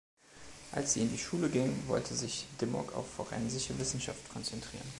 Als sie in die Schule ging, wollte sich Dimmock auf forensische Wissenschaft konzentrieren.